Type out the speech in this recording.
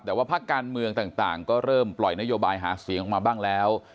แต่ว่าภาคการเมืองต่างก็เริ่มปล่อยนโยบายหาเสียงออกมาบ้างแล้ว